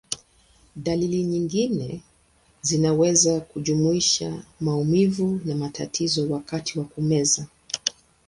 Dalili nyingine zinaweza kujumuisha maumivu na matatizo wakati wa kumeza.